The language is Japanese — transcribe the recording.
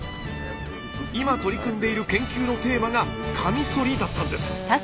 今取り組んでいる研究のテーマが「カミソリ」だったんです。